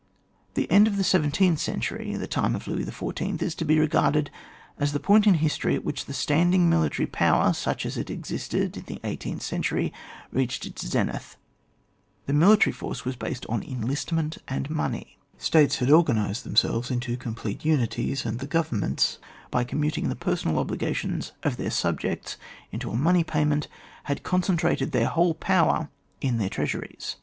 The end of the seventeenth century, the time of Louis XIV., is to be regarded as the point in history at which the standing military power, such as it existed in the eighteenth century, reached its zenith. That military force was based on enlistment and money. States had organised themselves into complete uni ties; and the governments, by commuting the personal obligations of their subjects into a money payment, had concentrated their whole power in their treasuries.